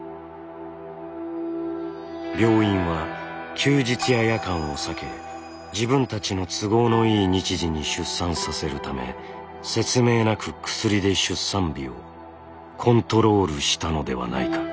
病院は休日や夜間を避け自分たちの都合のいい日時に出産させるため説明なく薬で出産日をコントロールしたのではないか？